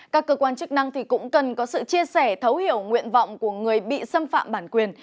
các cơ quan chức năng cũng cần có sự chia sẻ thấu hiểu nguyện vọng của người bị xâm phạm bản quyền